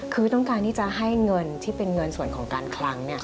คือต้องการที่จะให้เงินที่เป็นเงินส่วนของการคลัง